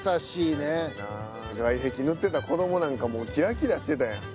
外壁塗ってた子どもなんかもうキラキラしてたやん。